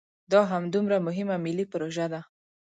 دا همدومره مهمه ملي پروژه ده.